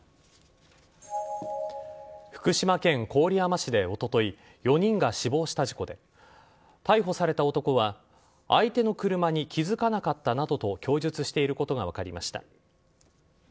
福島県郡山市でおととい４人が死亡した事故で逮捕された男は相手の車に気づかなかったなどと供述していることが分かりました。